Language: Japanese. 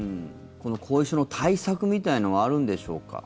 後遺症の対策みたいなのはあるんでしょうか？